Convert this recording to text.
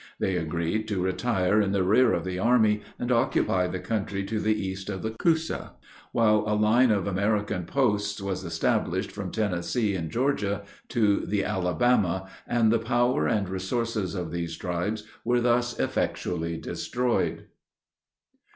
They agreed to retire in the rear of the army, and occupy the country to the east of the Coosa; while a line of American posts was established from Tennessee and Georgia, to the Alabama, and the power and resources of these tribes were thus effectually destroyed.